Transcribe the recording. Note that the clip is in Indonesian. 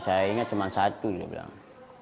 saya ingat cuma satu dia bilang